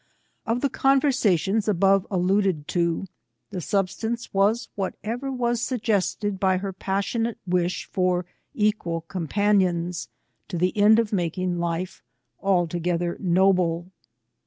287 Of the conversations above alluded to, tlie sub stance was whatever was suggested by her pas sionate wish for equal companions, to the end of making life altogether noble.